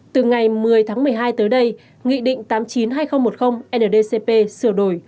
từ ngày một mươi tháng một mươi hai tới đây nghị định tám mươi chín hai nghìn một mươi ndcp sửa đổi